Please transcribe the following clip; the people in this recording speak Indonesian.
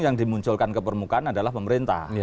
yang dimunculkan ke permukaan adalah pemerintah